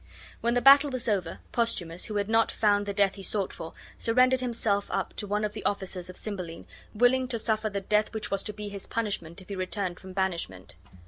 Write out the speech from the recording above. When the battle was over, Posthumus, who had not found the death he sought for, surrendered himself up to one of the officers of Cymbeline, willing to suffer the death which was to be his punishment if he returned from banishment.